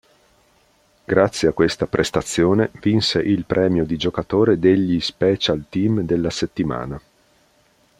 Grazie a questa prestazione vinse il premio di giocatore degli special team della settimana.